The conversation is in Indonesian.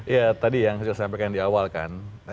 ya tadi yang sudah saya sampaikan di awal kan